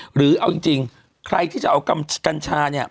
หรือเอาจริงใครที่จะเอากัญชาเนี่ย